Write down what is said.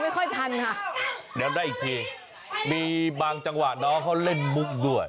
เดี๋ยวได้อีกทีมีบางจังหวะน้องเขาเล่นมุกด้วย